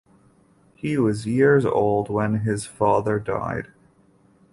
He was years old when his father died.